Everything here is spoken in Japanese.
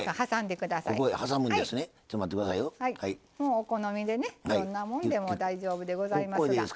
お好みで、どんなもんでも大丈夫でございます。